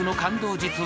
実話